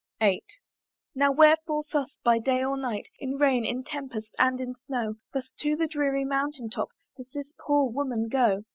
VIII. "Now wherefore thus, by day and night, "In rain, in tempest, and in snow, "Thus to the dreary mountain top "Does this poor woman go?